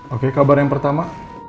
oke kabar yang pertama